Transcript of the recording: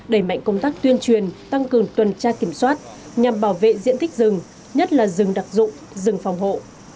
đẩy mạnh công tác tuyên truyền tăng cường tuần tra kiểm soát nhằm bảo vệ diện tích rừng nhất là rừng đặc dụng rừng phòng hộ